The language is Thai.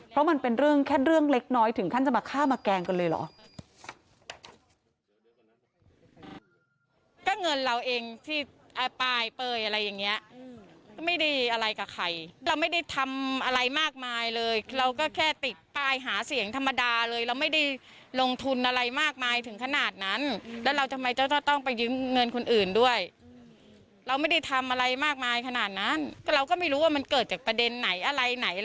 เพราะมันเป็นเรื่องแค่เรื่องเล็กน้อยถึงขั้นจะมาฆ่ามาแกล้งกันเลยเหรอ